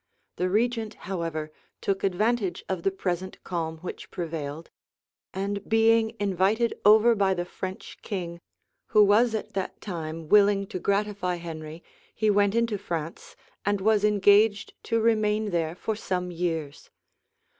The regent, however, took advantage of the present calm which prevailed; and being invited over by the French king, who was at that time willing to gratify Henry he went into France, and was engaged to remain there for some years.